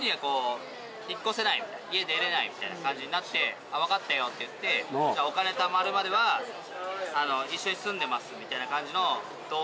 家出れないみたいな感じになって「わかったよ」って言ってお金たまるまでは一緒に住んでますみたいな感じの同棲期間があって。